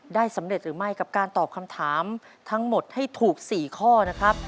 สำเร็จหรือไม่กับการตอบคำถามทั้งหมดให้ถูก๔ข้อนะครับ